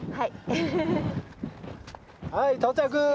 はい到着！